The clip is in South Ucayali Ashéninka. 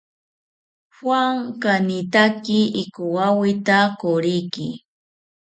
Juan kanitaki ikowawita koriki